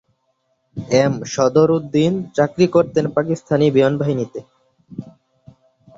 M Sadar Uddin চাকরি করতেন পাকিস্তান বিমানবাহিনীতে।